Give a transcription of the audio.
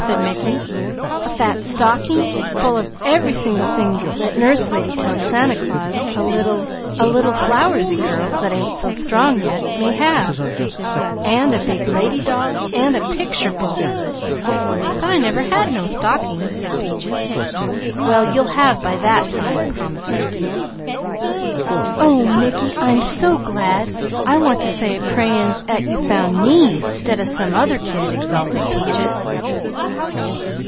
said Mickey. "A fat stocking full of every single thing the Nurse Lady tell Santa Claus a little a little flowersy girl that ain't so strong yet, may have, and a big lady doll and a picture book." "But I never had no stockings," said Peaches. "Well you'll have by that time," promised Mickey. "Oh Mickey, I'm so glad I want to say a prayin's 'at you found me, 'stead of some other kid!" exulted Peaches.